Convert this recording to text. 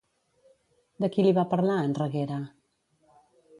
De qui li va parlar, en Reguera?